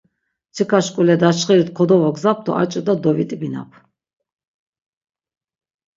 Mtsika şk̆ule daçxiri kodovogzap do ar ç̆it̆a dovit̆ibinap.